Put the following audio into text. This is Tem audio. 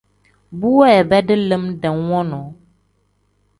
Bu weebedi lim dam wonoo.